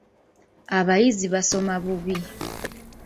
Abayizi basoma bubi.